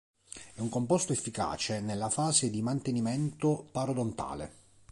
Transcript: È un composto efficace nella fase di mantenimento parodontale.